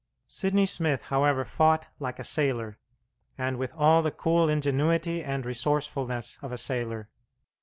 Sidney Smith, however, fought like a sailor, and with all the cool ingenuity and resourcefulness of a sailor.